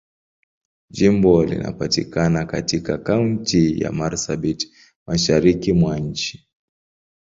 Jimbo linapatikana katika Kaunti ya Marsabit, Mashariki mwa nchi.